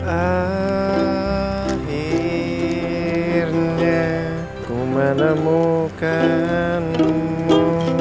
akhirnya ku menemukanmu